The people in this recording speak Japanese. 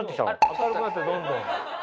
明るくなってどんどん。